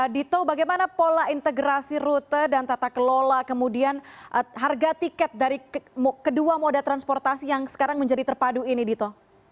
dito bagaimana pola integrasi rute dan tata kelola kemudian harga tiket dari kedua moda transportasi yang sekarang menjadi terpadu ini dito